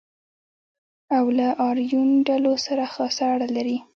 او له آریون ډلو سره خاصه اړه لري.